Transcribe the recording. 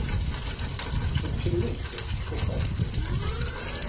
Eccellente, che cotto.